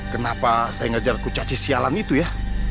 kenapa saya ngejar kucaci sialan itu ya